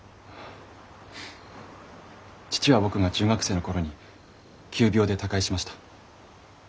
父は僕が中学生の頃に急病で他界しました。